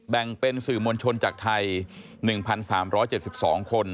แบ่งเป็นสื่อมวลชนจากไทย๑๓๗๒คน